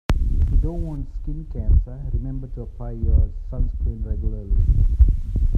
If you don't want skin cancer, remember to apply your suncream regularly